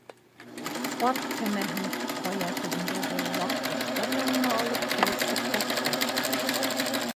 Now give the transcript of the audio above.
Ҡарт кәмәһен ҡая төбөндәге ваҡ таштар янына алып килеп туҡтатты.